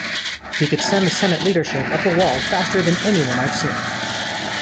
He could send the Senate leadership up a wall faster than anyone I've seen.